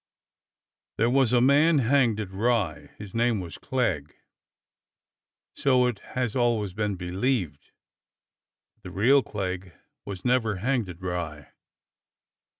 "There was a man hanged at Rye. His name was Clegg. So it has always been believed. But the real Clegg was never hanged at Rye.